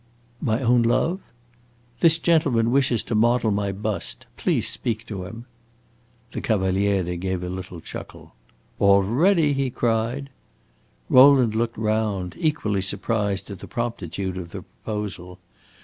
"My own love?" "This gentleman wishes to model my bust. Please speak to him." The Cavaliere gave a little chuckle. "Already?" he cried. Rowland looked round, equally surprised at the promptitude of the proposal.